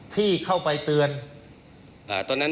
ที่เข้าไปเตือน